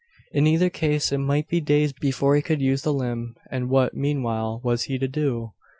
In either case, it might be days before he could use the limb; and what, meanwhile, was he to do?